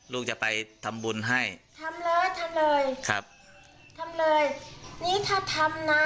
ลูกจะไปทำบุญให้ทำเลยทำเลยครับทำเลยนี่ถ้าทำนะ